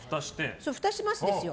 ふたしますですよ。